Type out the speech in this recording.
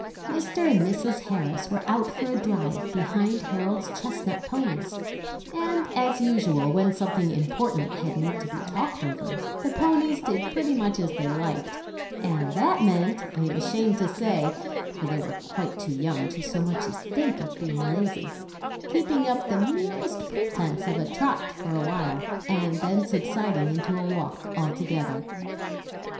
Mr. and Mrs. Harris were out for a drive behind Harold's chestnut ponies, and, as usual, when something important had need to be talked over, the ponies did pretty much as they liked, and that meant, I am ashamed to say (for they were quite too young to so much as think of being lazy), keeping up the merest pretence of a trot for a while, and then subsiding into a walk altogether.